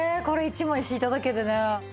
これ１枚敷いただけでね。